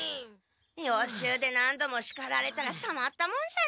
予習で何度もしかられたらたまったもんじゃない。